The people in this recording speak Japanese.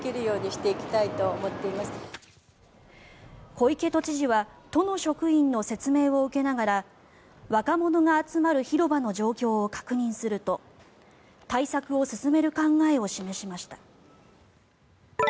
小池都知事は都の職員の説明を受けながら若者が集まる広場の状況を確認すると対策を進める考えを示しました。